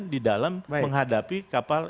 di dalam menghadapi kapal